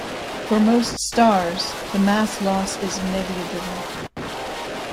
For most stars, the mass lost is negligible.